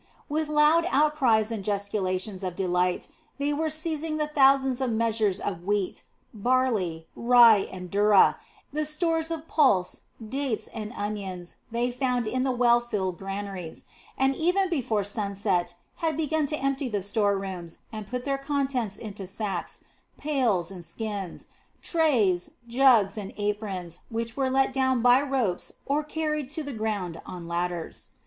With loud outcries and gesticulations of delight they were seizing the thousands of measures of wheat, barley, rye, and durra, the stores of pulse, dates, and onions they found in the well filled granaries, and even before sunset had begun to empty the store rooms and put their contents into sacks, pails, and skins, trays, jugs, and aprons, which were let down by ropes or carried to the ground on ladders.